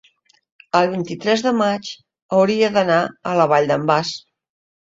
el vint-i-tres de maig hauria d'anar a la Vall d'en Bas.